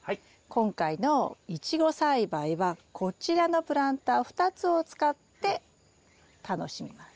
今回のイチゴ栽培はこちらのプランター２つを使って楽しみます。